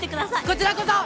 こちらこそ！